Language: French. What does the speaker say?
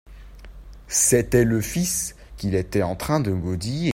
C'était le fils qui était en train de godiller.